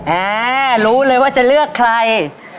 แอร์รู้เลยว่าจะเลือกใคร